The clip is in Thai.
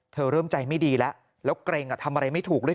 เธอเริ่มใจไม่ดีแล้วแล้วเกรงอ่ะทำอะไรไม่ถูกเลย